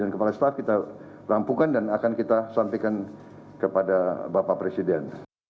dan panglima tni dan kepala staf kita rampungkan dan akan kita sampaikan kepada bapak presiden